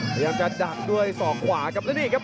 พยายามจะดักด้วยศอกขวาครับแล้วนี่ครับ